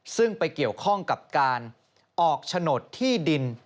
ซึ่งไปเกี่ยวข้องกับการออกโฉนดที่ดิน